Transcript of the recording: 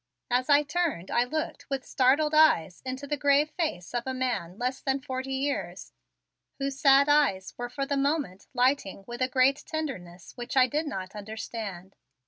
As I turned I looked with startled eyes into the grave face of a man less than forty years, whose sad eyes were for the moment lighting with a great tenderness which I did not understand.